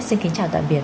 xin kính chào tạm biệt